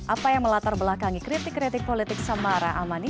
apa yang melatar belakangi kritik kritik politik samara amani